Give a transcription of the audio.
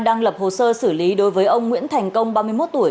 đang lập hồ sơ xử lý đối với ông nguyễn thành công ba mươi một tuổi